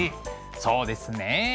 そうですね。